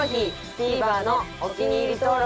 ＴＶｅｒのお気に入り登録